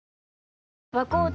新「和紅茶」